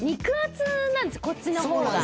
こっちの方が。